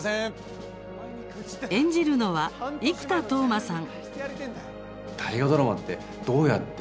演じるのは生田斗真さん。